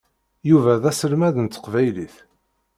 Yuba d aselmad n teqbaylit.